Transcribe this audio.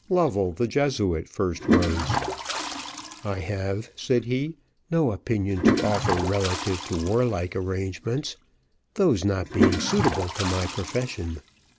Lovell, the Jesuit, first rose. "I have," said he, "no opinion to offer relative to warlike arrangements, those not being suitable to my profession.